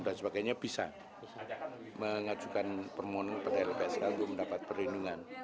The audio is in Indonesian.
dan sebagainya bisa mengajukan permohonan pada lpsk untuk mendapat perlindungan